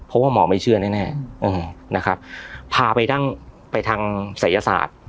เพราะว่าหมอไม่เชื่อแน่นะครับพาไปดั้งไปทางศัยศาสตร์